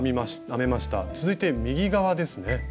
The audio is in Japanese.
続いて右側ですね。